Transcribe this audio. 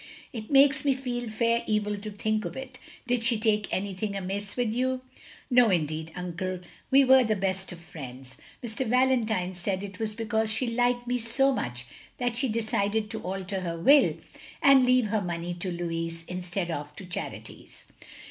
It makes me feel fair evil to think of it. Did she take anything amiss with you?" " No, indeed, uncle, we were the best of friends. Mr. Valentine said it was because she liked me so much that she decided to alter her will, and leave her money to Louis instead of to charities.